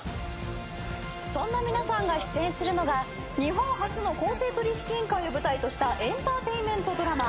そんな皆さんが出演するのが日本初の公正取引委員会を舞台としたエンターテインメントドラマ。